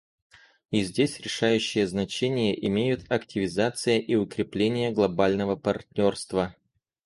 И здесь решающее значение имеют активизация и укрепление глобального партнерства.